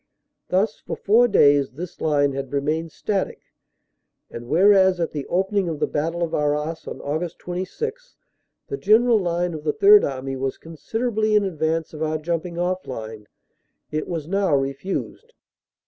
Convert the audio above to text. Thus, for four days, this line had remained static, and, whereas at the opening of the battle of Arras on Aug. 26 the general line of the Third Army was considerably in advance of our jumping off line, it was now refused.